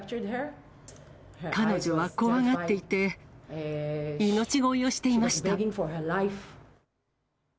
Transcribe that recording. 彼女は怖がっていて、命乞いをしていました。